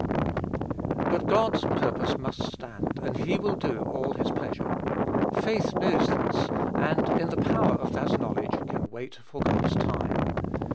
But God's purpose must stand, and he will do all his pleasure. Faith knows this; and, in the power of that knowledge, can wait for God's time.